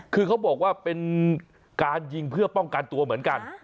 คือเขาบอกว่าเป็นการยิงเพื่อป้องกันตัวเหมือนกัน